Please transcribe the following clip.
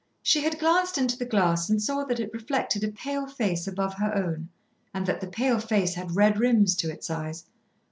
She had glanced into the glass and saw that it reflected a pale face above her own, and that the pale face had red rims to its eyes.